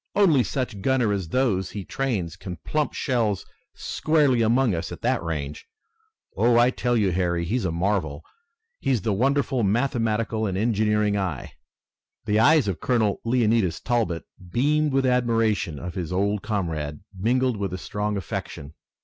Only such gunners as those he trains can plump shells squarely among us at that range! Oh, I tell you, Harry, he's a marvel. Has the wonderful mathematical and engineering eye!" The eyes of Colonel Leonidas Talbot beamed with admiration of his old comrade, mingled with a strong affection.